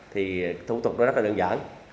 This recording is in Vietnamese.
thì thủ tục đó rất là đơn giản